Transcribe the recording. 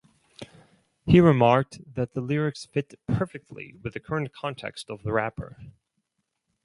He remarked that the lyrics fit perfectly with the current context of the rapper.